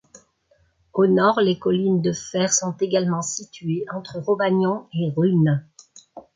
Au nord, les Collines de Fer sont également situés entre Rhovanion et Rhûn.